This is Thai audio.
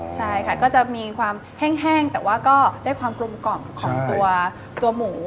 ใช่ค่ะก็จะมีความแห้งแต่ว่าก็ได้ความกลมกล่อมของตัวหมู